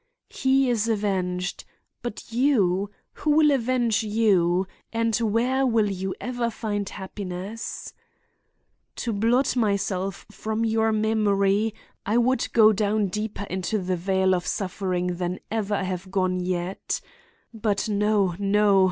"He is avenged; but you! Who will avenge you, and where will you ever find happiness? "To blot myself from your memory I would go down deeper into the vale of suffering than ever I have gone yet. But no, no!